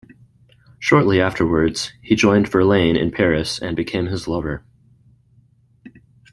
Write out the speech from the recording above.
Shortly afterwards, he joined Verlaine in Paris and became his lover.